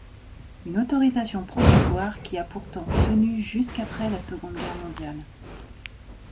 Une autorisation provisoire qui a pourtant tenue jusqu’après la Seconde Guerre mondiale.